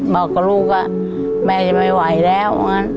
บอกกับลูกแม่จะไม่ไหวแล้ว